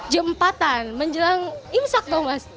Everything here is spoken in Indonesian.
jam empat an menjelang imsak dong mas